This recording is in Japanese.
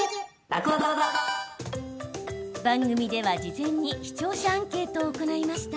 番組では事前に視聴者アンケートを行いました。